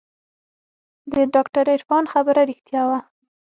د ډاکتر عرفان خبره رښتيا وه.